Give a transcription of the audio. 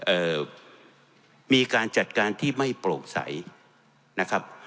เอ่อมีการจัดการที่ไม่โปร่งใสนะครับ